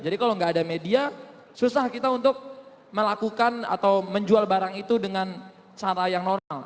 jadi kalau gak ada media susah kita untuk melakukan atau menjual barang itu dengan cara yang normal